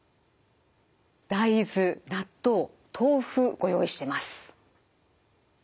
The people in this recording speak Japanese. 大豆納豆豆腐ご用意してます。